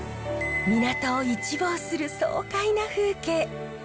港を一望する爽快な風景。